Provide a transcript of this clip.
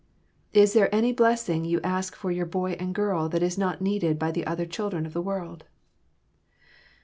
Is there any blessing you ask for your boy and girl that is not needed by the other children of the world?